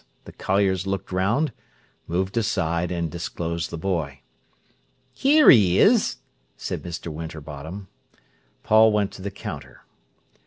The colliers looked round, moved aside, and disclosed the boy. "Here he is!" said Mr. Winterbottom. Paul went to the counter.